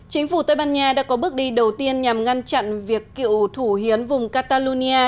chính phủ tây ban nha đã có bước đi đầu tiên nhằm ngăn chặn việc cựu thủ hiến vùng catalonia